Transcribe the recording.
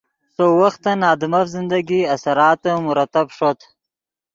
سؤ وختن آدمف زندگی اثراتے مرتب ݰوت